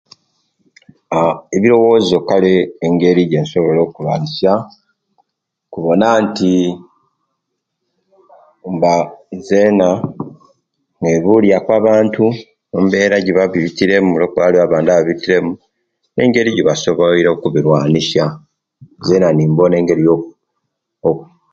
Aa ebirobozo kale ngeri ejensobola okulwanisya kubona nti mba zena neebuulya ku abantu embera ejibabitire mu olwokuba waliwo ababitiremu engeri ejibasobwoire mu okuvitwanisya zena nimbona engeri yo okk okk.